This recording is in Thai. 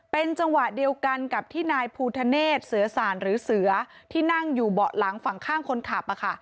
เป็นจังหวะเดียวกันกับที่นายภูทะเนศเสือสารหรือเสือที่นั่งอยู่เบาะหลังฝั่งข้างคนขับ